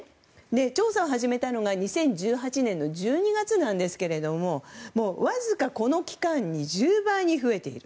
調査を始めたのが２０１８年の１２月なんですがわずか、この期間に１０倍に増えている。